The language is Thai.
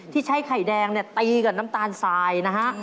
ที่ใช้ไข่แดงตีกับน้ำตาลสายนะฮะ